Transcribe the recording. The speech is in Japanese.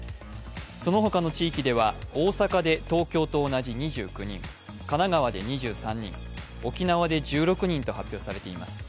そのほかの地域では大阪で東京と同じ２９人、神奈川で２３人、沖縄で１６人と発表されています。